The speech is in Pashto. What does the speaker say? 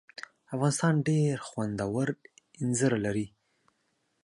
افغانستان ډېر خوندور اینځر لري.